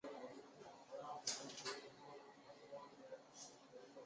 第二密码是已知的仅给用户。